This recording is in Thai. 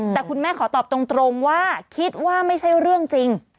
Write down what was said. แต่คุณแม่ขอตอบตรงว่าคิดว่าไม่ใช่เรื่องจริง